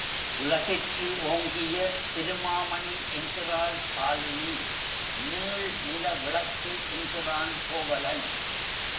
உலகிற்கு ஓங்கிய திருமாமணி என்கிறாள் சாலினி, நீள் நில விளக்கு என்கிறான் கோவலன்.